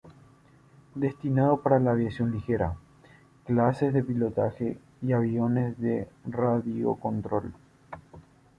Destinado para aviación ligera, clases de pilotaje y aviones de radiocontrol.